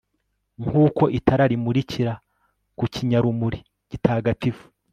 nk'uko itara rimurikira ku kinyarumuri gitagatifu